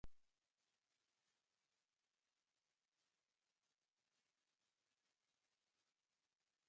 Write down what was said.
Video Poem challenges male authority by her use of her ex- boyfriend's bag.